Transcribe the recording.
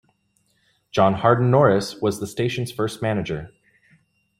John Harden Norris was the station's first manager.